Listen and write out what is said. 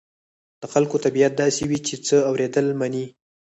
د خلکو طبيعت داسې وي چې څه واورېدل مني.